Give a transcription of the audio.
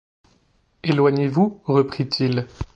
Éloignez-vous, reprit-il.